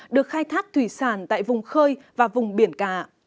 được khai thác thủy sản tại vùng khơi và vùng biển cả